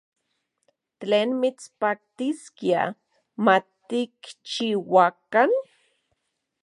¿Tlen mitspaktiskia matikchiuakan?